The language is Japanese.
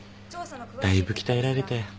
だいぶ鍛えられたよ。